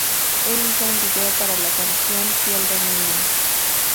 Él hizo un video para la canción "Piel de Niña".